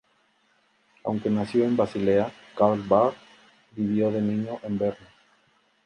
Aunque nació en Basilea, Karl Barth vivió de niño en Berna.